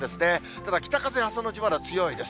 ただ北風、朝のうちまだ強いです。